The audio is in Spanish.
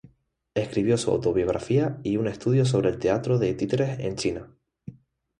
Escribió su autobiografía y un estudio sobre el teatro de títeres en China.